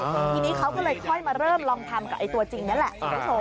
เพราะทีนี้เขาก็เลยค่อยมาเริ่มลองทำแบบกับตัวจริงนั่นแหละ